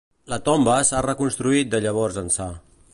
La tomba s'ha reconstruït de llavors ençà.